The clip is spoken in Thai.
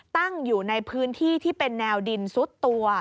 ตั้งอยู่ในพื้นที่ที่เป็นแนวดินซุดตัว